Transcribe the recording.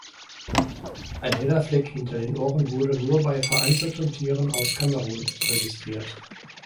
Ein heller Fleck hinter den Ohren wurde nur bei vereinzelten Tieren aus Kamerun registriert.